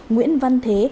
nguyễn văn thế